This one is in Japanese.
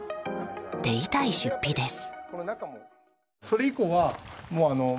手痛い出費です。